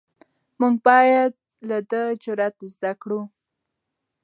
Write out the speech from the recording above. موږ باید له ده جرئت زده کړو.